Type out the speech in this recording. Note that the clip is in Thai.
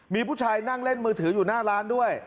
มีผู้ชายนั่งเล่นมือถืออยู่หน้าร้านด้วย